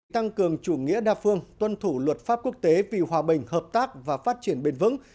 tăng cường chủ nghĩa đa phương tuân thủ luật pháp quốc tế vì hòa bình hợp tác và phát triển bền vững